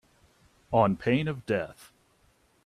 On pain of death